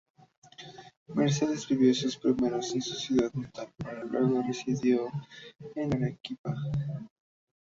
Mercedes vivió sus primeros en su ciudad natal pero luego residió en Arequipa.